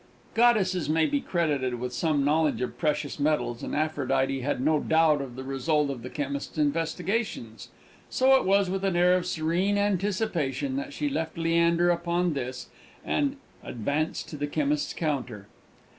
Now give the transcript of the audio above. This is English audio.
Goddesses may be credited with some knowledge of the precious metals, and Aphrodite had no doubt of the result of the chemist's investigations. So it was with an air of serene anticipation that she left Leander upon this, and advanced to the chemist's counter.